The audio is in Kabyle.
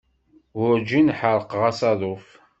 Werǧin ḥerqeɣ asaḍuf.